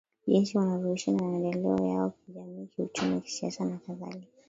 jinsi wanavyoishi na maendeleo yao kijamii kiuchumi kisiasa nakadhalika